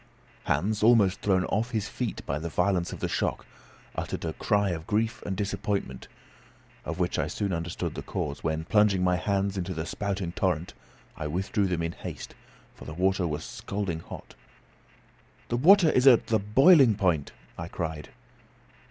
Hans, almost thrown off his feet by the violence of the shock, uttered a cry of grief and disappointment, of which I soon under . stood the cause, when plunging my hands into the spouting torrent, I withdrew them in haste, for the water was scalding hot. "The water is at the boiling point," I cried.